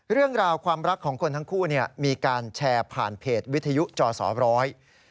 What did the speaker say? เรื่องราวความรักของคนทั้งคู่เนี่ยมีการแชร์ผ่านเพจวิทยุจอสอร้อย